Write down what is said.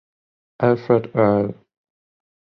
Alfred Earle.